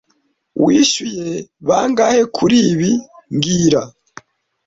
Wishyuye bangahe kuri ibi mbwira